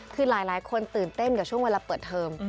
คือหลายคนตื่นเต้นกับช่วงเวลาเปิดเทอม